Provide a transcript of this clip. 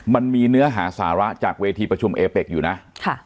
มันมีเนื้อหาสาระจากเวทีประชุมเอเป็กอยู่นะค่ะ